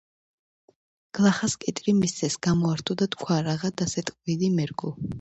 გლახას კიტრი მისცეს, გამოართო და თქვა: რაღა დასეტყვილი მერგო